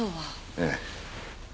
ええ。